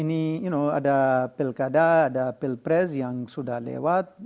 ini ada pilkada ada pilpres yang sudah lewat